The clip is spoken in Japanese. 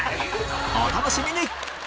お楽しみに！